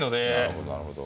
なるほどなるほど。